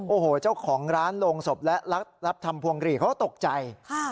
โอ้โหเจ้าของร้านโรงศพและรับทำพวงหลีเขาก็ตกใจ